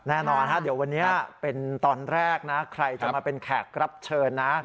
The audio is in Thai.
แน่นอนวันนี้เป็นตอนแรกใครจะมาเป็นแขกรับเชิญ